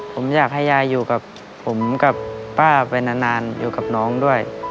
ผมอยากให้ยายอยู่กับผมกับป้าไปนานอยู่กับน้องด้วย